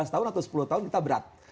tahun atau sepuluh tahun kita berat